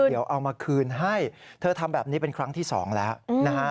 เดี๋ยวเอามาคืนให้เธอทำแบบนี้เป็นครั้งที่สองแล้วนะฮะ